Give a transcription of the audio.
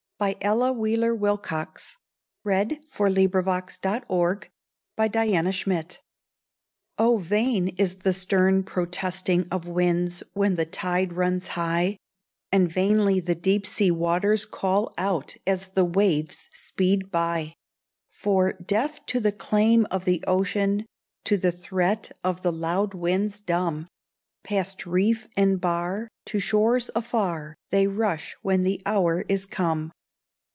Oh! hide me in my cell again, And, warden, lock the door. THE TIDES Oh, vain is the stern protesting Of winds, when the tide runs high; And vainly the deep sea waters Call out, as the waves speed by; For, deaf to the claim of the ocean, To the threat of the loud winds dumb, Past reef and bar, to shores afar, They rush when the hour is come.